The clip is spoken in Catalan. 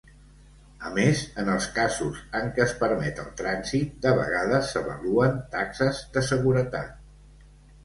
A més, en els casos en què es permet el trànsit, de vegades s'avaluen "taxes de seguretat".